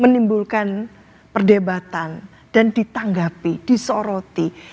menimbulkan perdebatan dan ditanggapi disoroti